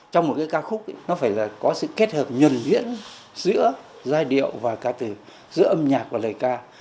trong một cái ca khúc nó phải là có sự kết hợp nhuẩn nhuyễn giữa giai điệu và ca từ giữa âm nhạc và lời ca